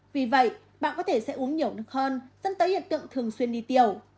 vì vậy bạn có thể sẽ uống nhiều nước hơn dẫn tới hiện tượng thường xuyên đi tiểu